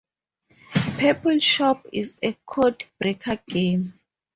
Purble Shop is a code-breaker game.